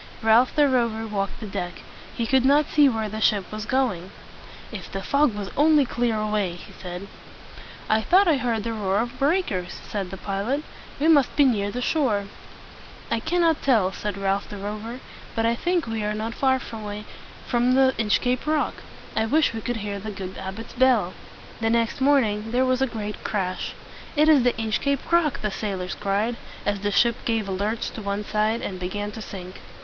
Ralph the Rover walked the deck. He could not see where the ship was going. "If the fog would only clear away!" he said. "I thought I heard the roar of breakers," said the pilot. "We must be near the shore." "I cannot tell," said Ralph the Rover; "but I think we are not far from the Inchcape Rock. I wish we could hear the good abbot's bell." The next moment there was a great crash. "It is the Inchcape Rock!" the sailors cried, as the ship gave a lurch to one side, and began to sink.